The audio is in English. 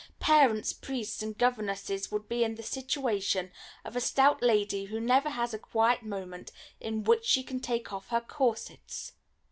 Parents, priests, and governesses would be in the situation of a stout lady who never has a quiet moment in which she can take off her corsets."